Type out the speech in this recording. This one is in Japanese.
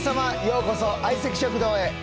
ようこそ「相席食堂」へ。